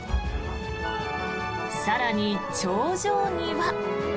更に、頂上には。